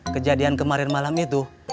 kejadian kemarin malam itu